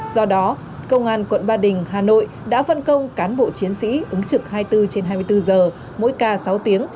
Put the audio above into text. do đó công an quận ba đình hà nội đã phân công cán bộ chiến sĩ ứng trực hai mươi bốn trên hai mươi bốn giờ mỗi ca sáu tiếng